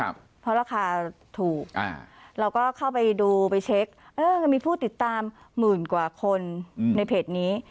เพราะราคาถูกเราก็เข้าไปดูไปเช็คมีผู้ติดตามหมื่นกว่าคนในเพจนี้